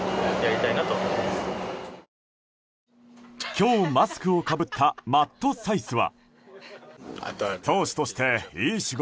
今日マスクをかぶったマット・サイスは。